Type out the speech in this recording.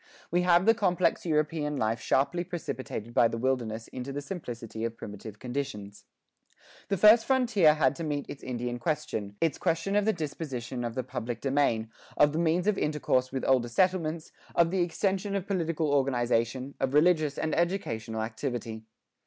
We have the complex European life sharply precipitated by the wilderness into the simplicity of primitive conditions. The first frontier had to meet its Indian question, its question of the disposition of the public domain, of the means of intercourse with older settlements, of the extension of political organization, of religious and educational activity.